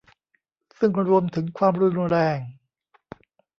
ซึ่งรวมถึงความรุนแรง